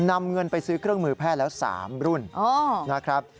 นำเงินไปซื้อเครื่องมือแพทย์แล้ว๓รุ่นนะครับ